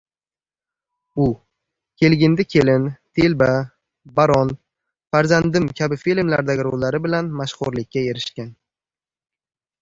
U “Kelgindi kelin”, “Telba”, “Baron”, “Farzandim” kabi filmlardagi rollari bilan mashhurlikka erishgan